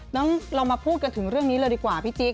เรามาพูดกันถึงเรื่องนี้เลยดีกว่าพี่จิ๊ก